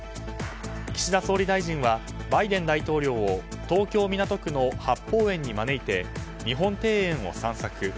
岸田総理大臣はバイデン大統領を東京・港区の八芳園に招いて日本庭園を散策。